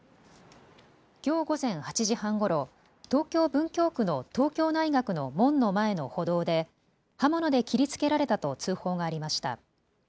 きょう午前８時半ごろ東京文京区の東京大学の門の前の歩道で刃物で切りつけられたと通報がありました。